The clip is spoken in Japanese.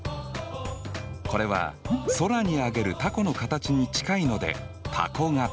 これは空に揚げるたこの形に近いのでたこ形。